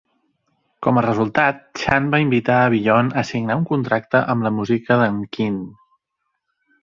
Com a resultat, Chan va invitar a Beyond a signar un contracte amb la música de"n Kinn.